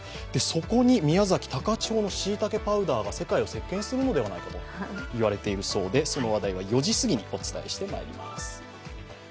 そこに宮崎・高千穂のしいたけパウダーが世界を席巻するのではないかと言われているそうで、その話題は４時すぎにお伝えしてまいります。